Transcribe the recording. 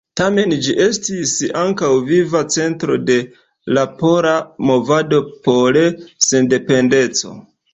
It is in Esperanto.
Tamen ĝi estis ankaŭ viva centro de la pola movado por sendependeco.